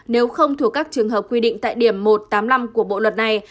nếu không thuộc các trường hợp quy định tại điểm một trăm tám mươi năm của bộ luật này